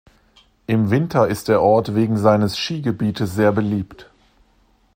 Im Winter ist der Ort wegen seines Skigebietes sehr beliebt.